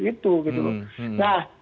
itu gitu nah